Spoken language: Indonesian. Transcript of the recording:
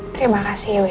terima kasih ew nya kedi